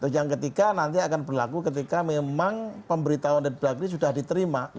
yang ketiga nanti akan berlaku ketika memang pemberitahuan dan belakang ini sudah diterima